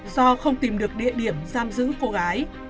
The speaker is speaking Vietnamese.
do không tìm được địa điểm giam giữ cô gái